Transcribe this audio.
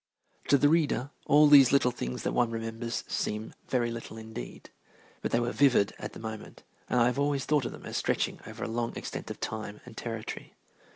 To the reader all these little things that one remembers seem very little indeed, but they were vivid at the moment, and I have always thought of them as stretching over a long extent of time and territory.